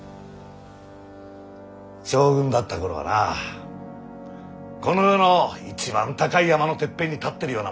将軍だった頃はなこの世の一番高い山のてっぺんに立ってるようなもんでな